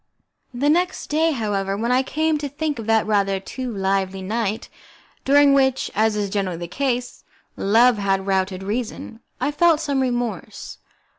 The next day, however, when I came to think of that rather too lively night, during which, as is generally the case, Love had routed Reason, I felt some remorse.